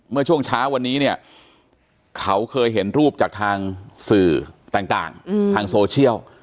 เมื่อช่วงเช้าวันนี้เนี่ยเขาเคยเห็นรูปจากทางสื่อต่างทางโซเชียล